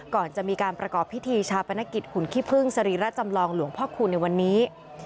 ก่อนจะมีการประกอบพิธีชาปนกิจหุ่นขี้พึ่งสรีระจำลองหลวงพ่อคูณในวันนี้